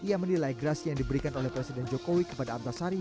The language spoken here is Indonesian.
ia menilai gerasi yang diberikan oleh presiden jokowi kepada antasari